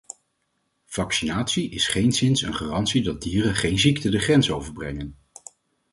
Vaccinatie is geenszins een garantie dat dieren geen ziekten de grens over brengen.